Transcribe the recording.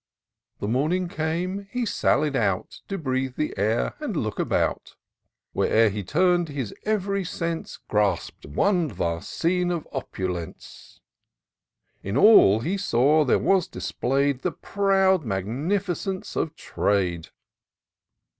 The morning came — he sallied out, To breathe the air, and look about. Where'er he tum'd, his ev'ry sense Grasp'd one vast scene of opulence ; In all he saw there was displayed The proud magnificence of trade.